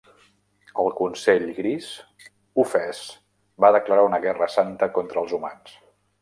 El Consell Gris, ofès, va declarar una guerra santa contra els humans.